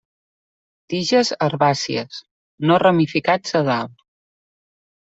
Tiges herbàcies; no ramificats a dalt.